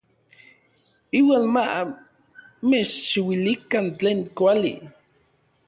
Iuan ma mechchiuilikan tlen kuali.